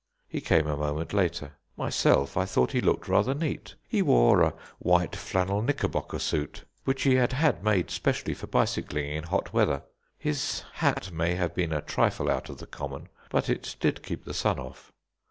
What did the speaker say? He came a moment later. Myself, I thought he looked rather neat. He wore a white flannel knickerbocker suit, which he had had made specially for bicycling in hot weather; his hat may have been a trifle out of the common, but it did keep the sun off.